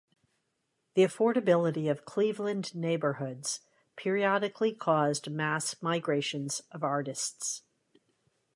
The affordability of Cleveland neighborhoods periodically caused mass migrations of artists.